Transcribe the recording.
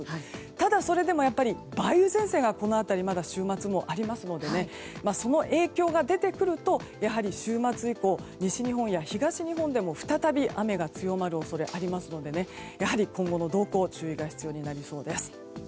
ただ、それでも梅雨前線がこの辺りまだ週末にありますのでその影響が出てくるとやはり週末以降西日本や東日本でも、再び雨が強まる恐れがありますのでやはり今後の動向に注意が必要になりそうです。